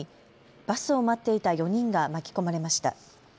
バスを待っていた４人が巻き込まれました。